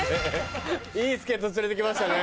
いい助っ人連れてきましたね。